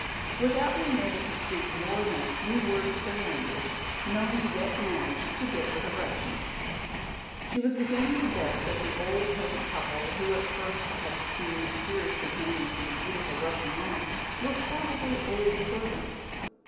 Without being able to speak more than a few words of their language, Nona yet managed to give her directions. She was beginning to guess that the old peasant couple, who at first had seemed mysterious companions for the beautiful Russian woman, were probably old servants.